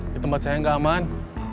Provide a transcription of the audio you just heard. di tempat saya nggak aman